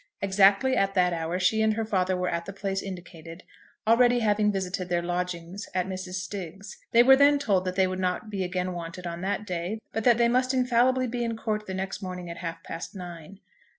Exactly at that hour she and her father were at the place indicated, already having visited their lodgings at Mrs. Stiggs'. They were then told that they would not be again wanted on that day, but that they must infallibly be in the Court the next morning at half past nine.